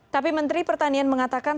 tapi menteri pertanian mengatakan